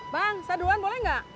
bang saya duluan boleh nggak